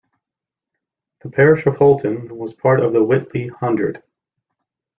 The parish of Holton was part of the Whitley Hundred.